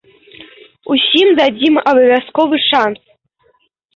Усім дадзім абавязкова шанс.